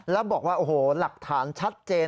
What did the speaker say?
แล้วบอกว่าโอ้โหหลักฐานชัดเจน